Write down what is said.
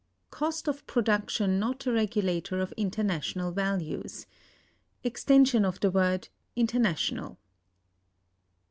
Cost of Production not a regulator of international values. Extension of the word "international."